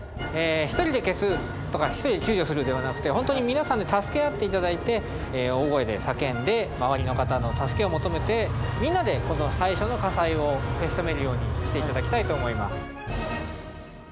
一人で消すとか一人で救助するではなくて本当に皆さんで助け合っていただいて大声で叫んで周りの方の助けを求めてみんなでこの最初の火災を消し止めるようにしていただきたいと思います。